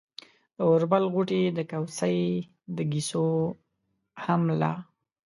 د اوربل غوټې، کوڅۍ، د ګيسو هم لا